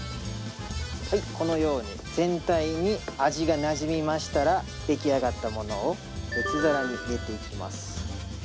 はいこのように全体に味がなじみましたら出来上がったものを別皿に入れていきます。